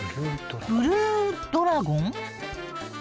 ブルードラゴン？